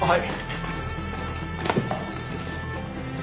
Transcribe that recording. はい。